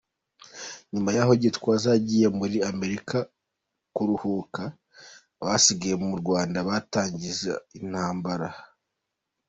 Nyuma yaho Gitwaza yagiye muri Amerika kuruhuka, abasigaye mu Rwanda batangiza intambara.